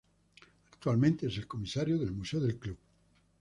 Actualmente, es el comisario del museo del club.